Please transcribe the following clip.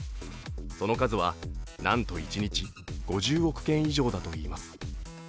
その数はなんと一日５０億件以上だといいます。